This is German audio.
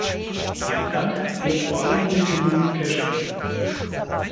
Mein Dank gilt vor allem dem Kollegen Cashman.